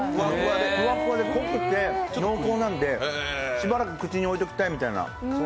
ふわっふわで濃くて濃厚なのでしばらく口に置いておきたいみたいな。